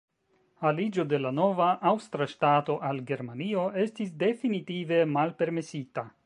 Aliĝo de la nova aŭstra ŝtato al Germanio estis definitive malpermesita.